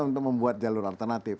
untuk membuat jalur alternatif